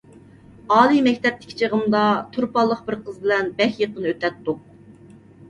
ئالىي مەكتەپتىكى چېغىمدا تۇرپانلىق بىر قىز بىلەن بەك يېقىن ئۆتەتتۇق.